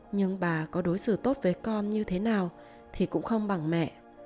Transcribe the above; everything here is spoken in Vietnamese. nhưng bà có đối xử tốt với con như thế nào thì cũng không bằng mẹ